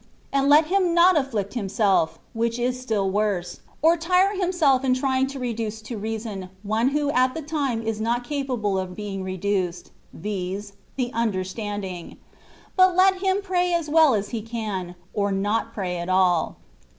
And let him not afflict himself (which is still worse), or tire himself in trying to reduce to reason one who at the time is not capable of being reduced, viz., the understanding ; but let him pray as well as he can, or not pray at all.